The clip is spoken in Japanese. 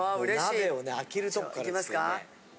鍋を開けるとこからですよね。